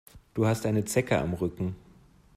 Du hast eine Zecke am Rücken.